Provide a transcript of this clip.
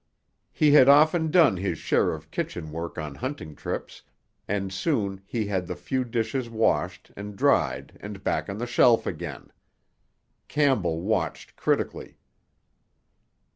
He had often done his share of kitchen work on hunting trips, and soon he had the few dishes washed and dried and back on the shelf again. Campbell watched critically.